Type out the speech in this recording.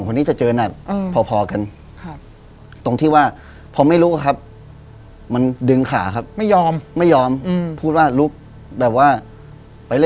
ค่อนี้ทุกคนก็มานั่งงี้